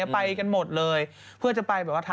ไปกันหมดเลยเพื่อจะไปเหล้าร้าน